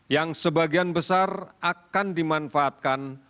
yang sebagian besar akan dimanfaatkan